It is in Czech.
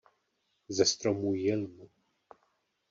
Ze stromů jilm.